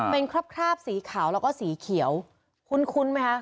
เป็นคราบสีขาวแล้วก็สีเขียวคุ้นไหมคะ